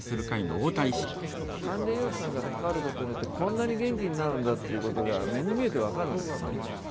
管理栄養士さんが関わることによってこんなに元気になるんだっていうことが目に見えて分かるんですね。